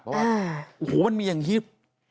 เพราะว่ามันมีอย่างยิบ